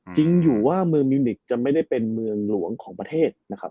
จริงอยู่ว่าเมืองมิวนิกจะไม่ได้เป็นเมืองหลวงของประเทศนะครับ